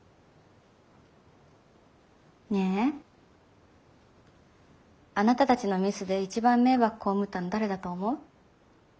ねえあなたたちのミスで一番迷惑被ったの誰だと思う？